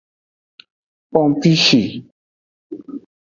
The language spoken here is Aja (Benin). Pompishi.